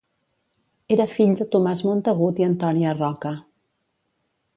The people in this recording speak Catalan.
Era fill de Tomàs Montagut i Antònia Roca.